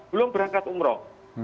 belum berangkat umroh